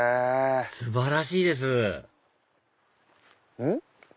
素晴らしいですうん？